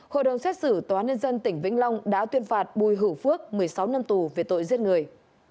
hội đồng xét xử tòa nhân dân tỉnh vĩnh long đã tuyên phạt bùi hữu phước một mươi sáu năm tù về tội giết người